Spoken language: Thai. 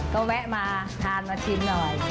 ก็แวะมาทานมาชิมหน่อย